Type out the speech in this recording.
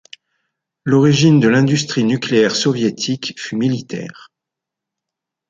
L'origine de l'industrie nucléaire soviétique fut militaire.